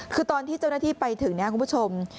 คือตอนที่เจ้าหน้าที่ไปถึงเนี่ยคุณผู้ชม